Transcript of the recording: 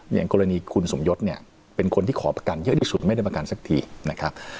อย่างกรณีคุณสมยศเนี่ยเป็นคนที่ขอประกันเยอะที่สุดไม่ได้ประกันสักทีนะครับ